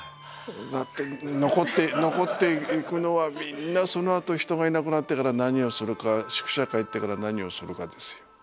だって残っていくのはみんなそのあと人がいなくなってから何をするか宿舎帰ってから何をするかですよ。